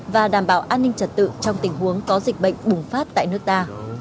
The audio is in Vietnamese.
và đảm bảo an ninh trật tự trong tình huống có dịch bệnh bùng phát tại nước ta